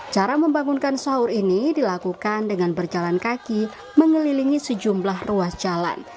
cara membangunkan sahur ini dilakukan dengan berjalan kaki mengelilingi sejumlah ruas jalan